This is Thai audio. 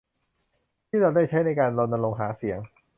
ที่เราได้ใช้ในการรณรงค์หาเสียง